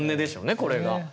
これが。